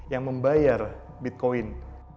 yang membayar bitcoin